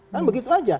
kan begitu aja